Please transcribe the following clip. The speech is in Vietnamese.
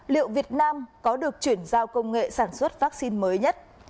liệu việt nam có được chuyển giao công nghệ sản xuất vắc xin mới nhất